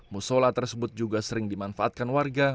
musola tersebut juga sering dimanfaatkan warga